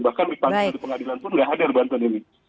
bahkan dipanggil di pengadilan pun tidak hadir banten ini